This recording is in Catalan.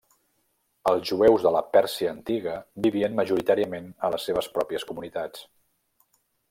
Els jueus de la Pèrsia antiga vivien majoritàriament a les seves pròpies comunitats.